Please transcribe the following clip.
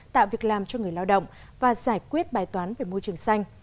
tạo việc làm cho người lao động và giải quyết bài toán về môi trường xanh